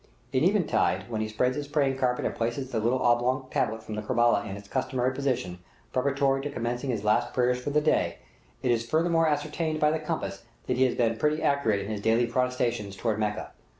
At eventide, when he spreads his praying carpet and places the little oblong tablet from Kerbela in its customary position, preparatory to commencing his last prayers for the day, it is furthermore ascertained by the compass that he has been pretty accurate in his daily prostrations toward Mecca.